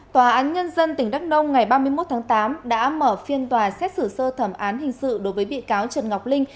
tòa án nhân dân tỉnh đắk nông ngày ba mươi một tháng tám đã mở phiên tòa xét xử sơ thẩm án hình sự đối với bị cáo trần ngọc linh